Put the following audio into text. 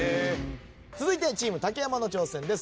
続いてチーム竹山の挑戦です。